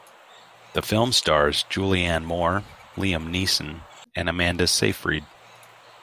The film stars Julianne Moore, Liam Neeson, and Amanda Seyfried.